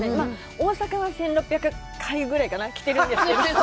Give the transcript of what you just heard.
大阪は１６００回ぐらいかな？来てるんですけど。